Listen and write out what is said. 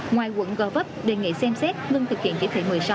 ngoài quận gò vấp đề nghị xem xét ngưng thực hiện chỉ thị một mươi sáu